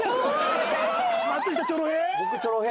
松下チョロ平？